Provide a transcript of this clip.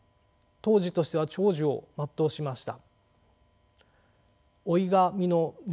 当時としては長寿を全うしました。